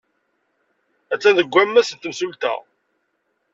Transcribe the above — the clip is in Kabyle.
Attan deg wammas n temsulta.